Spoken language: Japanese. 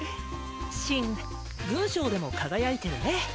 シン文章でも輝いてるね！